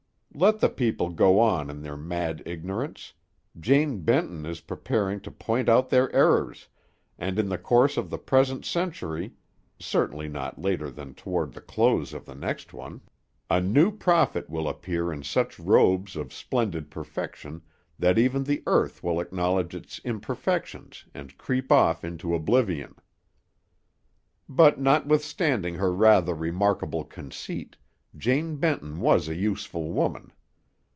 Let the people go on in their mad ignorance; Jane Benton is preparing to point out their errors, and in the course of the present century certainly not later than toward the close of the next one a new prophet will appear in such robes of splendid perfection that even the earth will acknowledge its imperfections, and creep off into oblivion. But notwithstanding her rather remarkable conceit, Jane Benton was a useful woman.